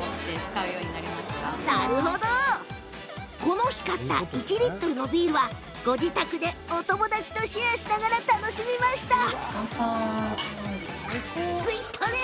この日買った１リットルのビールは自宅でお友達とシェアしながら楽しみました。